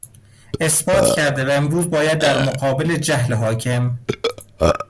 اثبات کرده و امروز باید در مقابل جهل حاکم